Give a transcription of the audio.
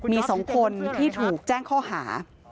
มี๒คนที่ถูกแจ้งข้อหา